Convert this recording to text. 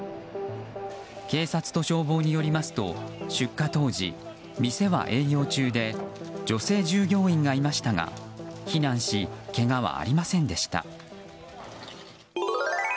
警察と消防によりますと出火当時店は営業中で女性従業員がいましたが避難し、けがはありませんでした。